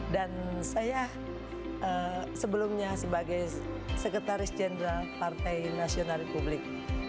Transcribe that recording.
dan saya sebelumnya sebagai sekretaris jenderal partai nasional republik